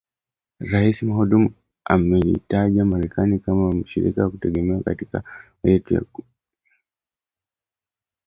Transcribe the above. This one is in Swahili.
Rais Mohamud ameitaja Marekani kama “mshirika wa kutegemewa katika azma yetu ya kuleta utulivu na mapambano dhidi ya ugaidi”